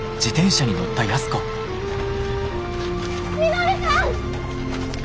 稔さん！